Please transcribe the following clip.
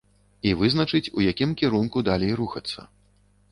І вызначыць, у якім кірунку далей рухацца.